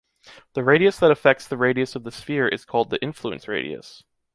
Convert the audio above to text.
The radius that affects the radius of the sphere is called the “influence radius”.